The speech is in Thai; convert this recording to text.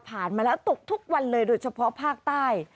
มาแล้วตกทุกวันเลยโดยเฉพาะภาคใต้